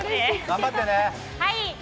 頑張ってね。